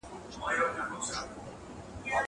زه له سهاره موبایل کاروم.